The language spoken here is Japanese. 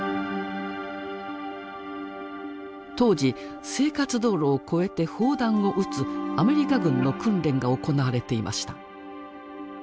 当時生活道路を越えて砲弾を撃つアメリカ軍の訓練が行われていました。